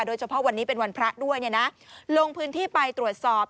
โดยเฉพาะวันนี้เป็นวันพระด้วยลงพื้นที่ไปตรวจสอบ